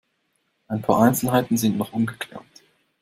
Ein paar Einzelheiten sind noch ungeklärt.